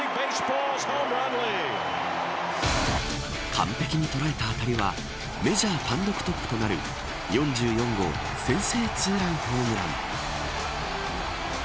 完璧に捉えた当たりはメジャー単独トップとなる４４号先制ツーランホームラン。